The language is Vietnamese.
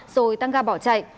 rồi tăng ra bỏ chạy